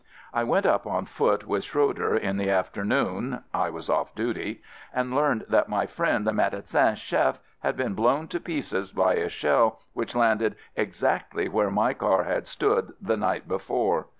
I went up on foot with Schroeder in the afternoon (I was off duty) and learned that my friend the medecin chef had been blown to pieces by a shell which landed exactly where my car had stood the night before.